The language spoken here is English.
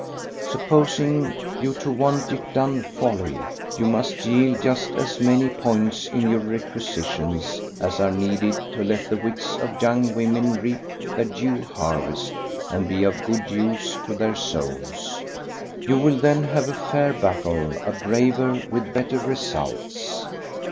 Supposing you to want it done wholly, you must yield just as many points in your requisitions as are needed to let the wits of young women reap their due harvest and be of good use to their souls. You will then have a fair battle, a braver, with better results.